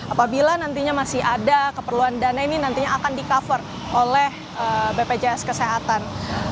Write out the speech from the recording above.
apabila nantinya masih ada keperluan dana ini nantinya akan di cover oleh bpjs kesehatan